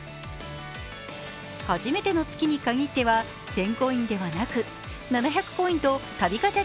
初めての月に限っては１０００コインではなく、７００ポイントと旅ガチャ